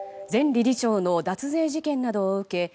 前理事長の脱税事件などを受け